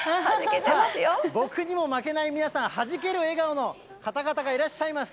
さあ、僕にも負けない皆さん、はじける笑顔の方々がいらっしゃいます。